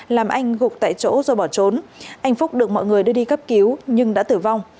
làm anh gục tại chỗ rồi bỏ trốn anh phúc được mọi người đưa đi cấp cứu nhưng đã tử vong